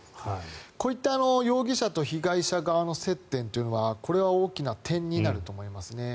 こういった容疑者と被害者側の接点というのはこれは大きな点になると思いますね。